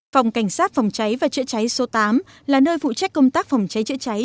phòng cảnh sát phòng cháy và chữa cháy số tám là nơi phụ trách công tác phòng cháy chữa cháy